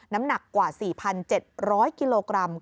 น้ำหนักกว่า๔๗๐๐กิโลกรัม